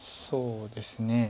そうですね。